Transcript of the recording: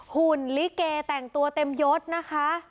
หุ่นลิเกแต่งตัวเต็มยศนะคะ